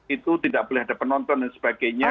itu tidak boleh ada penonton dan sebagainya